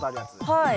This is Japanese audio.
はい。